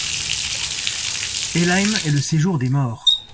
Helheim est le séjour des morts.